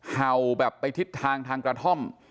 เห่าแบบไปทิศทางทางกระท่อม